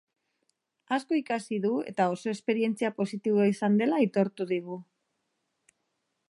Asko ikasi du eta oso esperentzia positiboa izan dela aitortu digu.